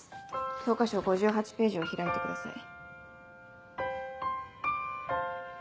教科書５８ページを開いてください。